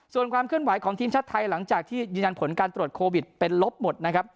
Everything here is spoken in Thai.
ส่วนความเคลื่อนไหวของทีมชาติไทยหลังจากที่ยืนยันผลการตรวจโควิดเป็นลบหมดนะครับ